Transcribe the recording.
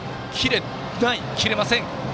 切れません。